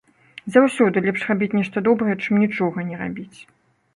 Заўсёды лепш рабіць нешта добрае, чым нічога не рабіць.